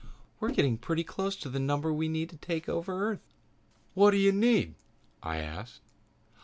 'We're getting pretty close to the number we need to take over Earth.'" "What do you need?" I asked.